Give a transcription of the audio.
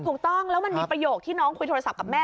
ถูกต้องแล้วมันมีประโยคที่น้องคุยโทรศัพท์กับแม่